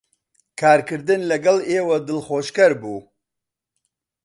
کارکردن لەگەڵ ئێوە دڵخۆشکەر بوو.